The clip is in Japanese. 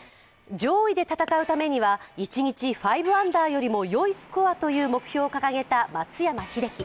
上位で戦うためには、一日５アンダーよりよいスコアという目標を掲げた松山英樹。